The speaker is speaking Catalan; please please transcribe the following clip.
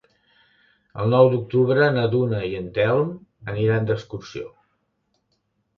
El nou d'octubre na Duna i en Telm aniran d'excursió.